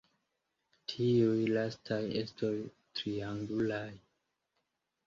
Tiuj lastaj estos triangulaj.